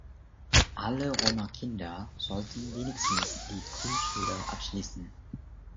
Alle Roma-Kinder sollten wenigstens die Grundschule abschließen.